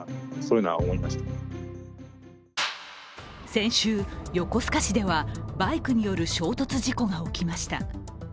先週、横須賀市ではバイクによる衝突事故が起きました。